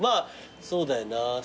そうだよな。